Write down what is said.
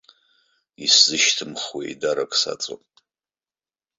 Исзышьҭымхуа еидарак саҵоуп.